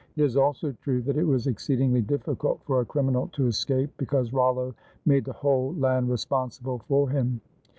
It is also true that it was exceedingly difficult for a criminal to escape, because Rollo made the whole land responsible for him.